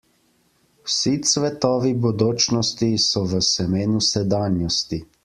Vsi cvetovi bodočnosti so v semenu sedanjosti.